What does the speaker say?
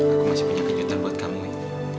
aku masih punya kejutan buat kamu